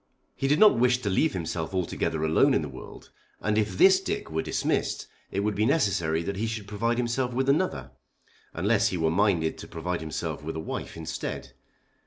He did not wish to leave himself altogether alone in the world, and if this Dick were dismissed it would be necessary that he should provide himself with another, unless he were minded to provide himself with a wife instead.